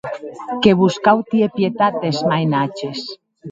Que vos cau tier pietat des mainatges.